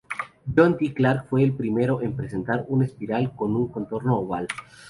John D. Clark fue el primero en presentar una espiral con un contorno oval.